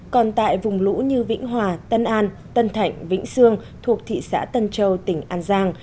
còn tại vùng lũ như vĩnh hòa tân an tân thạnh vĩnh sương thuộc thị xã tân châu tỉnh an giang